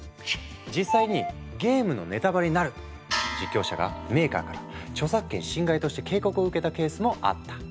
実際に「ゲームのネタバレになる」と実況者がメーカーから著作権侵害として警告を受けたケースもあった。